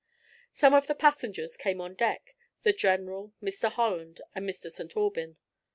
Some of the passengers came on deck—the general, Mr. Holland, and Mr. St. Aubyn.